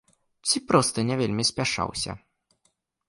Ці проста не вельмі спяшаўся.